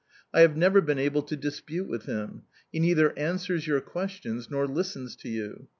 I have never been able to dispute with him. He neither answers your questions nor listens to you.